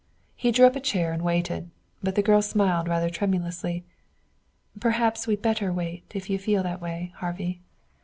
He drew up a chair and waited, but the girl smiled rather tremulously. "Perhaps we'd better wait, if you feel that way, Harvey."